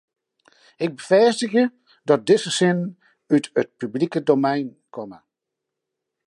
Ik befêstigje dat dizze sinnen út it publike domein komme.